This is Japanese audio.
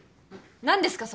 何ですか？